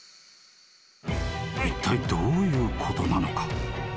［いったいどういうことなのか？］